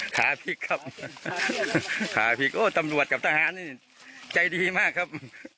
ขาพลิกครับตำรวจกับทหารใจดีมากครับ